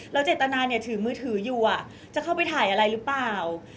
แล้วเจตนาถือมือถืออยู่จะเข้าไปถ่ายอะไรหรือเปล่า